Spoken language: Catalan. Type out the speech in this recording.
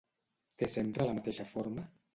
Té sempre la mateixa forma?